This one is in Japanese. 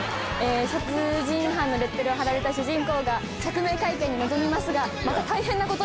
殺人犯のレッテルを貼られた主人公が釈明会見に臨みますがまた大変なことに。